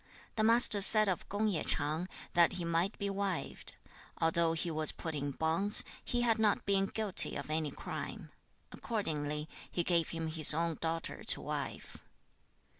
The Master said of Kung ye Ch'ang that he might be wived; although he was put in bonds, he had not been guilty of any crime. Accordingly, he gave him his own daughter to wife.